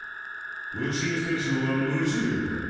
宇宙ステーションは無重力だ。